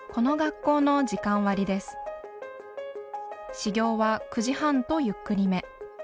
始業は９時半とゆっくりめ。